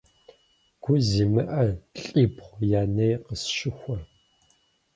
Гу зимыӀэ лӀибгъу я ней къысщыхуэ.